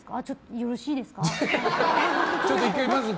よろしいですか？